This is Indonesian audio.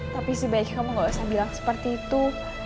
tapi si baik kamu nggak usah bilang seperti itu